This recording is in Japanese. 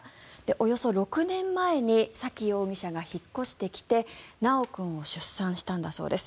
およそ６年前に沙喜容疑者が引っ越してきて修君を出産したんだそうです。